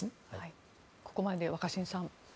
ここまでで、若新さん。